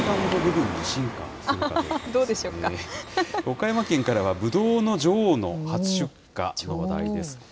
岡山県からは、ぶどうの女王の初出荷の話題です。